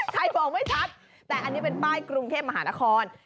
ใครบอกไม่ชัดแต่อันนี้เป็นป้ายกรุงเทพมหานคร